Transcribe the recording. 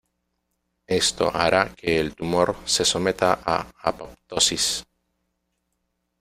Esto hará que el tumor se someta a apoptosis.